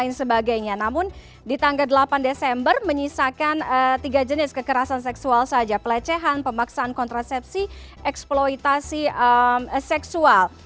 namun di tanggal delapan desember menyisakan tiga jenis kekerasan seksual saja pelecehan pemaksaan kontrasepsi eksploitasi seksual